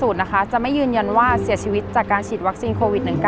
จะไม่ยืนยันว่าเสียชีวิตจากการฉีดวัคซีนโควิด๑๙